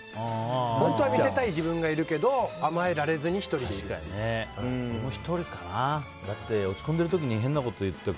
本当は見せたい自分がいるけど甘えられずに１人でいるっていう。